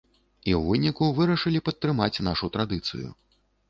І ў выніку вырашылі падтрымаць нашу традыцыю.